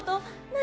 何？